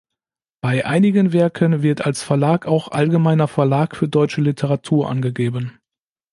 Bei einigen Werken wird als Verlag auch "Allgemeiner Verlag für Deutsche Literatur" angegeben.